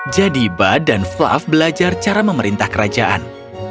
jadi bud dan flav belajar cara memerintah kerajaan